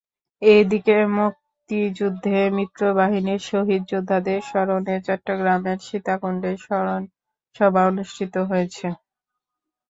এদিকে মুক্তিযুদ্ধে মিত্রবাহিনীর শহীদ যোদ্ধাদের স্মরণে চট্টগ্রামের সীতাকুণ্ডে স্মরণসভা অনুষ্ঠিত হয়েছে।